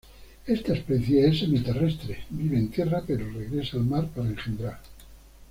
Esta especie es semi-terrestre, vive en tierra pero regresa al mar para engendrar.